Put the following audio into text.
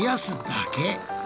だけ？